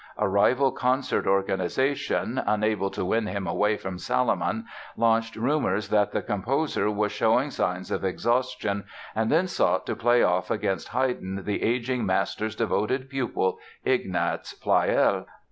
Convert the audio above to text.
A rival concert organization, unable to win him away from Salomon launched rumors that the composer was showing signs of exhaustion and then sought to play off against Haydn the aging master's devoted pupil, Ignaz Pleyel.